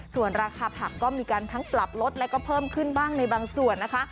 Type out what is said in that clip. ส่วนราคาผักก็มีการทั้งปรับลดแล้วก็เพิ่มขึ้นบ้างในบางส่วนนะคะ